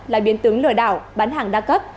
là biến tướng lừa đảo bán hàng đa cấp